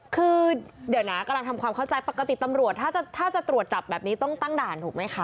คือเดี๋ยวนะกำลังทำความเข้าใจปกติตำรวจถ้าจะตรวจจับแบบนี้ต้องตั้งด่านถูกไหมคะ